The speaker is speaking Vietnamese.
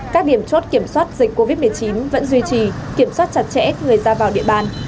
các điểm chốt kiểm soát dịch covid một mươi chín vẫn duy trì kiểm soát chặt chẽ người ra vào địa bàn